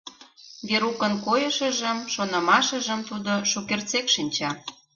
Верукын койышыжым, шонымашыжым тудо шукертсек шинча.